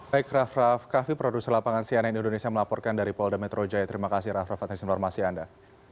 baik raff raff kaffi produser lapangan cnn indonesia melaporkan dari polda metro jaya terima kasih raff raff atas informasi anda